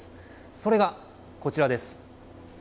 それがこちらです。